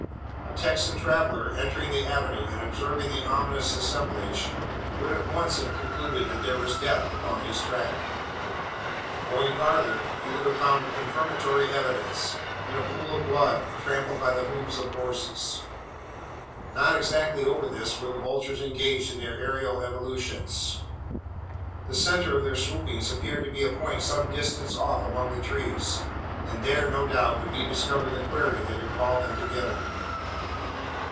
A Texan traveller entering the avenue, and observing the ominous assemblage, would at once have concluded, that there was death upon his track. Going farther, he would have found confirmatory evidence, in a pool of blood trampled by the hooves of horses. Not exactly over this were the vultures engaged in their aerial evolutions. The centre of their swoopings appeared to be a point some distance off among the trees; and there, no doubt, would be discovered the quarry that had called them together.